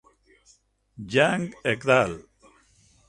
Yang "et al.